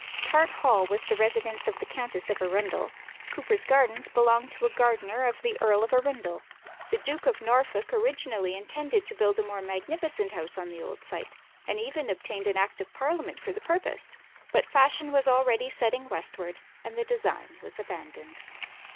Tart Hall was the residence of the Countess of Arundel: Cuper's Gardens belonged to a gardener of the Earl of Arundel. The Duke of Norfolk originally intended to build a more magnificent house on the old site, and even obtained an act of Parliament for the purpose; but fashion was already setting westward, and the design was abandoned.